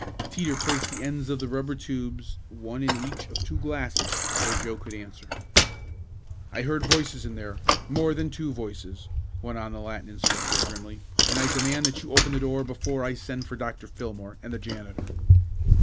Teeter placed the ends of the rubber tubes one in each of two glasses before Joe could answer. "I heard voices in there more than two voices," went on the Latin instructor grimly, "and I demand that you open the door before I send for Dr. Fillmore and the janitor."